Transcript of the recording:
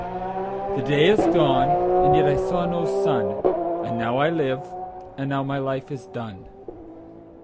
5The day is gone and yet I saw no sun,6And now I live, and now my life is done.